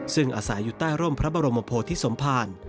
ซึ่งอาศัยอยู่ใต้ร่มพระบรมโพธิสมภาร